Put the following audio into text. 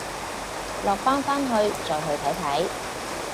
落班翻去再去睇睇